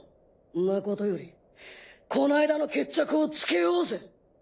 んなことよりこの間の決着をつけようぜ。